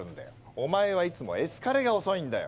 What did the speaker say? お前はいつもエスカレが遅いんだよ！